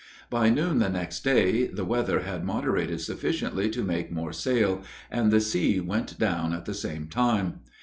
By noon the next day the weather had moderated sufficiently to make more sail, and the sea went down at the same time.